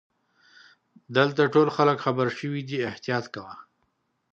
دلته ټول خلګ خبرشوي دي احتیاط کوه.